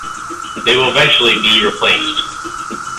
They will eventually be replaced.